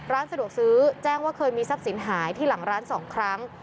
ร้านสะดวกซื้อแจ้งว่าเคยมีทรัพย์สินหายที่หลังร้าน๒ครั้ง